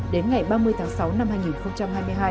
đến ngày ba mươi tháng sáu năm hai nghìn hai mươi hai